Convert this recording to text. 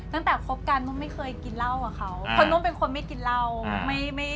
ตั้งแต่คบกันนุ่นไม่เคยกินเหล้ากับเขาเพราะนุ่นเป็นคนไม่กินเหล้า